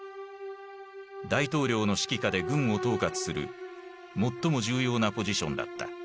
大統領の指揮下で軍を統括する最も重要なポジションだった。